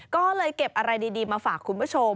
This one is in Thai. ก็เลยเก็บอะไรดีมาฝากคุณผู้ชม